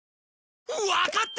わかった！